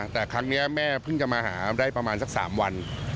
แต่ครั้งนี้แม่เพิ่งจะมาหาได้ประมาณสัก๓วัน